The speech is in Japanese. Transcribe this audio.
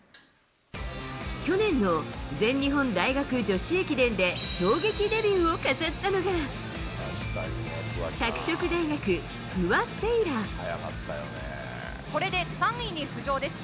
去年の全日本大学女子駅伝で、衝撃デビューを飾ったのが、拓殖大学、これで３位に浮上です。